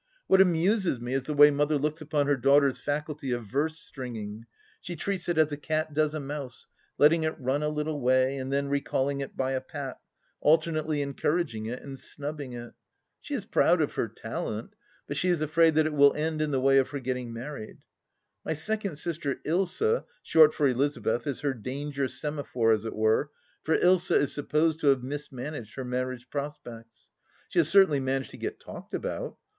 What amuses me is the way Mother looks upon her daughter's faculty of verse stringing : she treats it as a cat does a mouse, letting it run a little way and then recalling it by a pat, alternately encouraging it and snubbing it. She is proud of her talent, but she is afraid that it will stand in the way of her getting married. My second sister Ilsa, short for Elizabeth, is her danger semaphore, as it were, for Ilsa is supposed to have mis managed her marriage prospects. She has certainly managed to get talked about.